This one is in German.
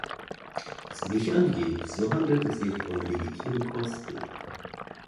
Was mich angeht, so handelt es sich um legitime Kosten.